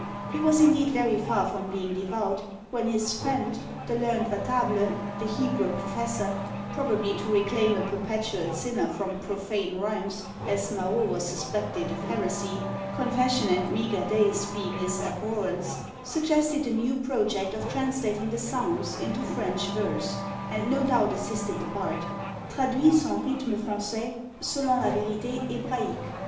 He was indeed very far from being devout, when his friend, the learned Vatable, the Hebrew professor, probably to reclaim a perpetual sinner from profane rhymes, as Marot was suspected of heresy (confession and meagre days being his abhorrence), suggested the new project of translating the Psalms into French verse, and no doubt assisted the bard; for they are said to be "traduitz en rithme Français selon la verité Hébraique."